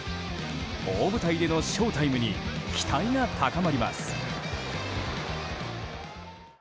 大舞台でのショウタイムに期待が高まります。